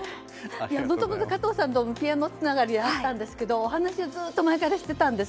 もともと加藤さんとピアノつながりがあったんですけどお話はずっと前からしてたんです。